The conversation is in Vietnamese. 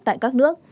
tại các nước